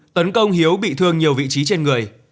tấn công hiếu bị thương nhiều vị trí trên người